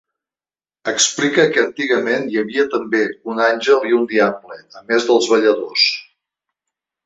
Explica que antigament hi havia també un àngel i un diable, a més dels balladors.